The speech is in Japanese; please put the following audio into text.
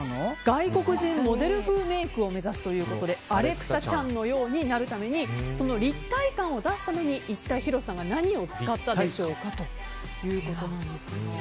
外国人モデル風メイクを目指すということでアレクサ・チャンのようになるために立体感を出すためにヒロさんがい何を使ったんでしょうかということですが。